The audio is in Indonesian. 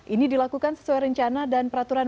ini dilakukan sesuai rencana dan peraturan